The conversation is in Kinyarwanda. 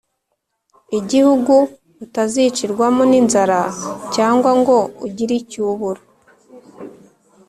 igihugu utazicirwamo n’inzara cyangwa ngo ugire icyo ubura,